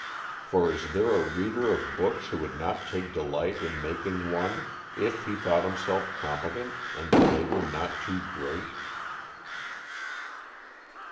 For is there a reader of books who would not take delight in making one, if he thought himself competent and the labor not too great?